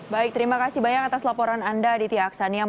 baik terima kasih banyak atas laporan anda aditya aksania